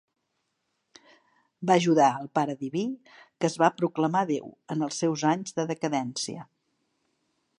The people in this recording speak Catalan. Va ajudar el Pare Diví, que es va proclamar Déu, en els seus anys de decadència.